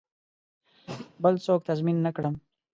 بل څوک تضمین نه کړم.